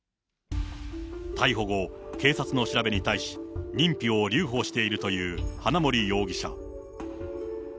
逮捕後、警察の調べに対し、認否を留保しているという花森容疑者。